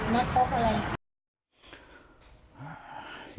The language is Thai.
มันเหมือนก็เป็นจุดนัดโป๊บอะไร